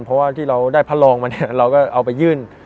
เพราะว่าที่เราได้พระรองมาเนี่ยเราก็เอาไปยื่น